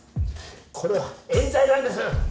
これは冤罪なんです！